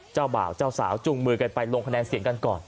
เจ้าบ่าวเจ้าสาวจุงมือกันไปลงคะแนนเสียงกันก่อน